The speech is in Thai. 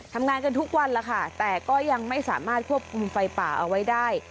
ทำงานกันทุกวันแล้วค่ะแต่ก็ยังไม่สามารถควบคุมไฟป่าเอาไว้ได้